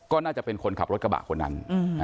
ก็น่าจะเป็นคนขับรถกระบะคนนั้น